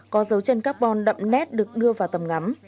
có dấu chân carbon đậm nét được đưa vào tầm ngắm